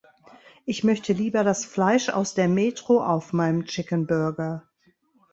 Ich möchte lieber das Fleisch aus der Metro auf meinem Chickenburger.